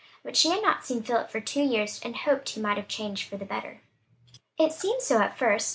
But she had not seen Philip for two years, and hoped he might have changed for the better. It seemed so at first.